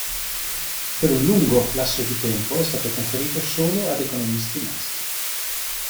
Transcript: Per un lungo lasso di tempo è stato conferito solo ad economisti maschi.